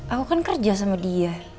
aku kan kerja sama dia